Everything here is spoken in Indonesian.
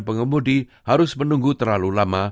pengemudi harus menunggu terlalu lama